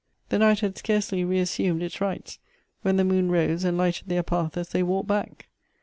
The night had scarcely reassumed its rights, when the moon rose and lighted their path as they walked back.